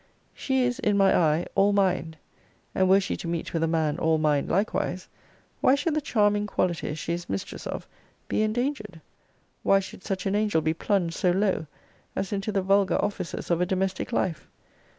She is in my eye all mind: and were she to meet with a man all mind likewise, why should the charming qualities she is mistress of be endangered? Why should such an angel be plunged so low as into the vulgar offices of a domestic life?